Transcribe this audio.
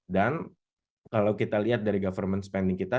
dan kalau kita lihat dari government spending kita